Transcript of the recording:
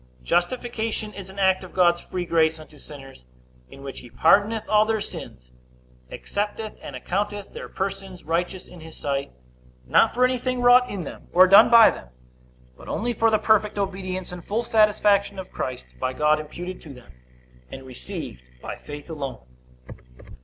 A. Justification is an act of God's free grace unto sinners, in which he pardoneth all their sins, accepteth and accounteth their persons righteous in his sight; not for anything wrought in them, or done by them, but only for the perfect obedience and full satisfaction of Christ, by God imputed to them, and received by faith alone.